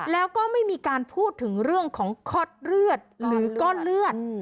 แล้วก็ไม่มีการพูดถึงเรื่องของคลอดเลือดหรือก้อนเลือด